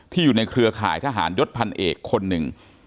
อยู่ในเครือข่ายทหารยศพันเอกคนหนึ่ง